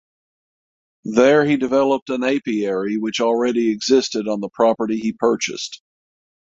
There he developed an apiary which already existed on the property he purchased.